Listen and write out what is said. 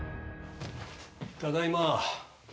ただいま。